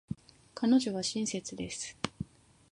彼女は親切です。